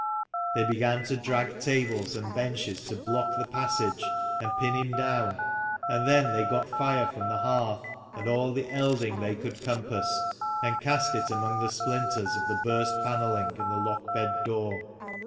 They began to drag tables and benches to block the passage and pin him down, and then they got fire from the hearth and all the elding they could compass, and cast it among the splinters of the burst panelling and the lockbed door.